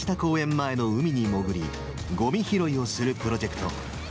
前の海に潜り、ごみ拾いをするプロジェクト。